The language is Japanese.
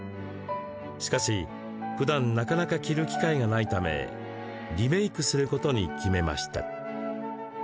しかし、ふだんなかなか着る機会がないためリメークすることに決めました。